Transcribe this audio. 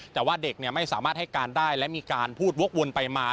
แต่ว่าเด็กไม่สามารถให้การได้และมีการพูดวกวนไปมา